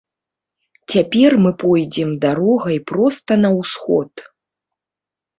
Цяпер мы пойдзем дарогай проста на ўсход.